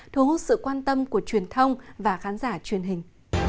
thu hút sự quan tâm của truyền thông và khán giả truyền hình